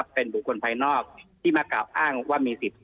เป็นบุคคลภายนอกที่มากล่าวอ้างว่ามีสิทธิ